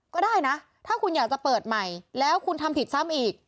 ก็ได้นะถ้าคุณอยากจะเปิดใหม่แล้วคุณทำผิดซ้ำอีก